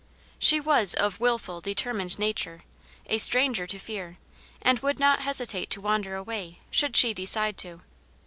She was of wilful, determined nature, a stranger to fear, and would not hesitate to wander away should she decide to.